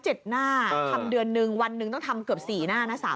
หน้าทำเดือนนึงวันหนึ่งต้องทำเกือบ๔หน้านะ